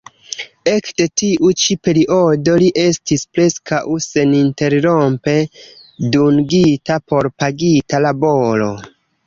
Ekde tiu ĉi periodo li estis preskaŭ seninterrompe dungita por pagita laboro.